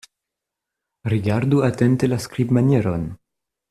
Rigardu atente la skribmanieron.